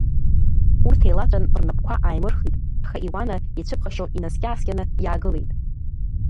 Урҭ еилаҵәан рнапқәа ааимырхит, аха Иуана ицәыԥхашьо инаскьа-ааскьаны иаагылеит.